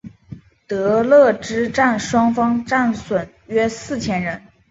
德勒之战双方各损失约四千人。